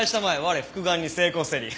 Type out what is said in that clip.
我復顔に成功せり。